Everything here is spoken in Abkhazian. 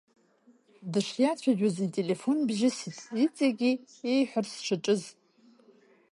Дышиацәажәоз ителефон бжьысит, иҵегьгьы еиҳәарц дшаҿыз.